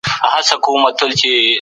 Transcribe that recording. باید د نویو نظریو ملاتړ وشي.